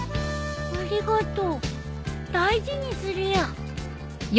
ありがとう大事にするよ。